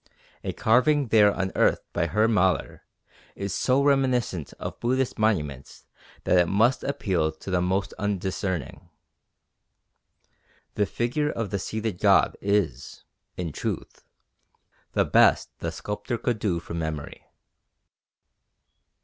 A carving there unearthed by Herr Maler is so reminiscent of Buddhist monuments that it must appeal to the most undiscerning. The figure of the seated god is, in truth, the best the sculptor could do from memory.